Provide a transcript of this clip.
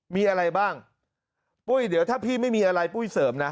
มีอะไรบ้างปุ้ยเดี๋ยวถ้าพี่ไม่มีอะไรปุ้ยเสริมนะ